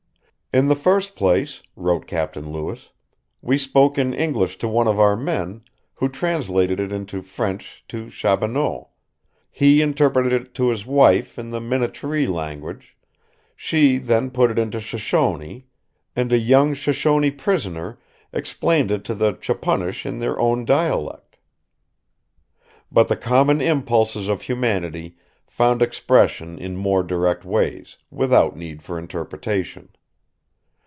"In the first place," wrote Captain Lewis, "we spoke in English to one of our men, who translated it into French to Chaboneau; he interpreted it to his wife in the Minnetaree language; she then put it into Shoshone, and a young Shoshone prisoner explained it to the Chopunnish in their own dialect." But the common impulses of humanity found expression in more direct ways, without need for interpretation.